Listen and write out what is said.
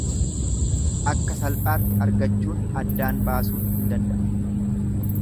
Akka salphaatti argachuun, addaan baasuun hin danda'amu.